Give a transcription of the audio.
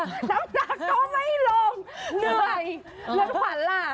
น้ำตาก็ไม่ลงเหนื่อยรถขวัญล่ะ